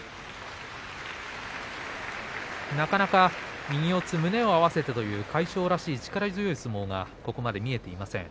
なかなか右四つ胸を合わせてという魁勝らしい力強い相撲がここまで見えていません。